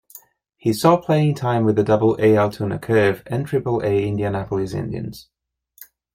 He saw playing time with the Double-A Altoona Curve and Triple-A Indianapolis Indians.